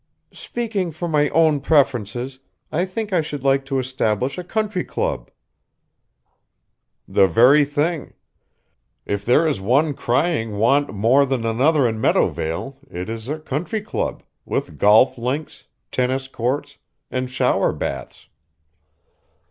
"Speaking for my own preferences I think I should like to establish a country club." "The very thing. If there is one crying want more than another in Meadowvale it is a country club, with golf links, tennis courts, and shower baths."